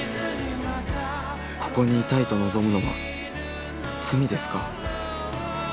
ここに居たいと望むのは罪ですか？